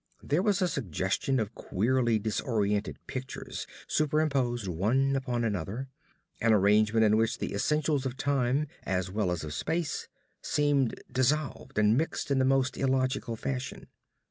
There was a suggestion of queerly disordered pictures superimposed one upon another; an arrangement in which the essentials of time as well as of space seemed dissolved and mixed in the most illogical fashion.